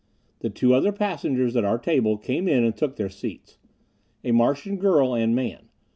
The two other passengers at our table came in and took their seats. A Martian girl and man.